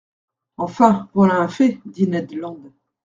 —Enfin, voilà un fait, dit Ned Land.